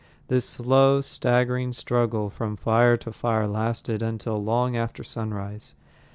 This slow, staggering struggle from fire to fire lasted until long after sunrise.